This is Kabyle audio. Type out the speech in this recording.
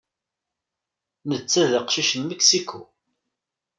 Netta d aqcic n Mexico.